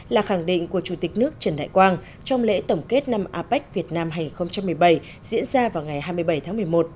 là khẳng định của chủ tịch nước trần đại quang trong lễ tổng kết năm apec việt nam hai nghìn một mươi bảy diễn ra vào ngày hai mươi bảy tháng một mươi một